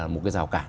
một cái rào cản